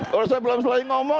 kalau saya belum selain ngomong